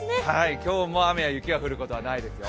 今日も雨や雪が降ることはないですよ。